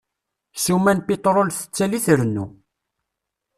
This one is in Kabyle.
Ssuma n pitrul tettali trennu.